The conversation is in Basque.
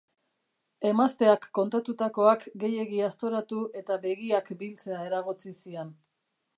Emazteak kontatutakoak gehiegi aztoratu eta begiak biltzea eragotzi zion.